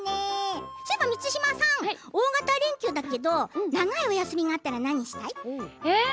満島さん大型連休だけど長いお休みがあったら何したい？